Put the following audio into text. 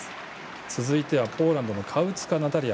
続いてはポーランドのカウツカ・ナタリア。